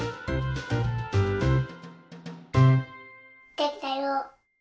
できたよ。